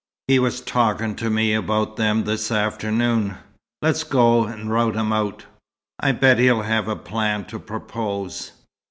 He was talking to me about them this afternoon. Let's go and rout him out. I bet he'll have a plan to propose."